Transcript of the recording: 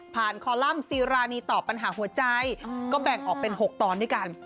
คอลัมป์ซีรานีตอบปัญหาหัวใจก็แบ่งออกเป็น๖ตอนด้วยกัน